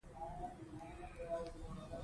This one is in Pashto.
د همدې ځواک له امله تمدن دوام کوي.